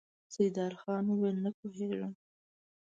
سيدال خان وويل: نه پوهېږم!